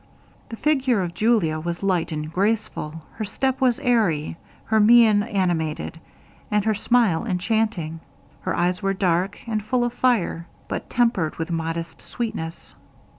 The figure of Julia was light and graceful her step was airy her mien animated, and her smile enchanting. Her eyes were dark, and full of fire, but tempered with modest sweetness.